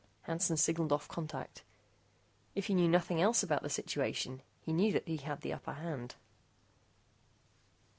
Hansen signaled off contact. If he knew nothing else about the situation, he knew that he had the upper hand.